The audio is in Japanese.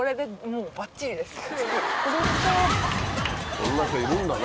こんな人いるんだね。